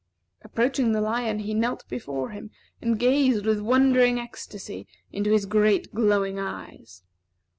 Approaching the lion, he knelt before him, and gazed with wondering ecstasy into his great, glowing eyes.